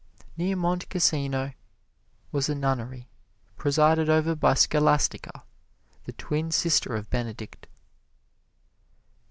Near Monte Cassino was a nunnery presided over by Scholastica, the twin sister of Benedict.